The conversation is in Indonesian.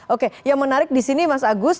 oke yang menarik di sini mas agus